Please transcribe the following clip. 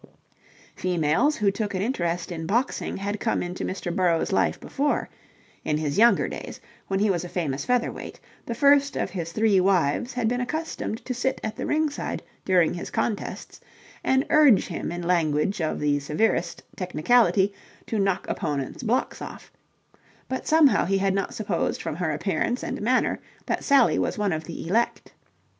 Females who took an interest in boxing had come into Mr. Burrowes' life before in his younger days, when he was a famous featherweight, the first of his three wives had been accustomed to sit at the ringside during his contests and urge him in language of the severest technicality to knock opponents' blocks off but somehow he had not supposed from her appearance and manner that Sally was one of the elect.